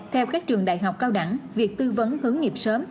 theo các trường đại học cao đẳng việc tư vấn hướng nghiệp sớm